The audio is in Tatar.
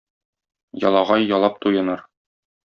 Ялагай ялап туеныр.